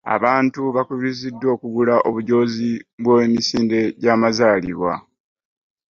Abantu bakubiriziddwa okugula obujoozi bw'emusinde gy'amazaalibwa.